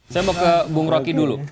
saya mau ke bung rocky dulu